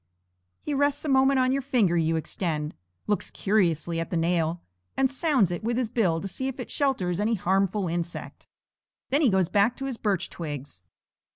he rests a moment on the finger you extend, looks curiously at the nail, and sounds it with his bill to see if it shelters any harmful insect. Then he goes back to his birch twigs.